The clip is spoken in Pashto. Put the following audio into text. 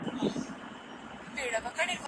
زنا لویه ګناه ده.